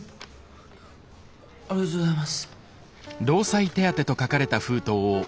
ありがとうございます。